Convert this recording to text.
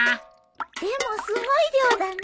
でもすごい量だね。